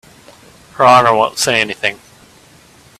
Her Honor won't say anything.